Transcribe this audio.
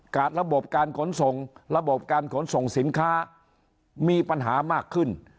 ระบบการขนส่งระบบการขนส่งสินค้ามีปัญหามากขึ้น